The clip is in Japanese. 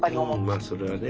まあそれはね